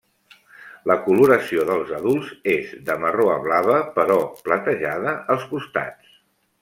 La coloració els adults és de marró a blava però platejada als costats.